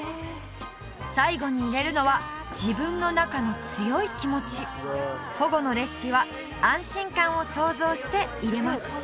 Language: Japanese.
最後に入れるのは自分の中の強い気持ち保護のレシピは安心感を想像して入れます